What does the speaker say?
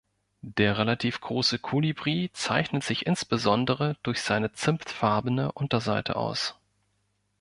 Der relativ große Kolibri zeichnet sich insbesondere durch seine zimtfarbene Unterseite aus.